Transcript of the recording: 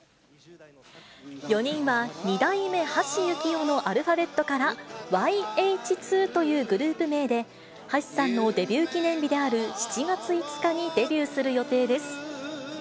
４人は２代目橋幸夫のアルファベットからｙＨ２というグループ名で、橋さんのデビュー記念日である７月５日にデビューする予定です。